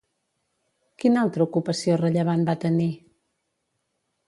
Quina altra ocupació rellevant va tenir?